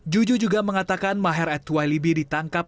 juju juga mengatakan maher at twailibi ditangkap